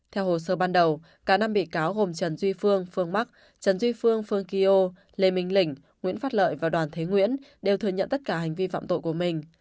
theo hồ sơ ban đầu cả năm bị cáo gồm trần duy phương phương mắc trần duy phương phương kia lê minh lĩnh nguyễn phát lợi và đoàn thế nguyễn đều thừa nhận tất cả hành vi phạm tội của mình